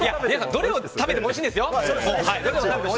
どれを食べてもおいしいんですよ。